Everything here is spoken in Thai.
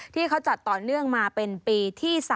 ที่เขาจัดต่อเนื่องมาเป็นปีที่๓